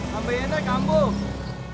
kamu mau berantem atau mau ambil